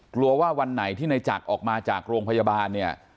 กลัวว่าวันไหนที่ในจักรออกมาจากโรงพยาบาลเนี่ย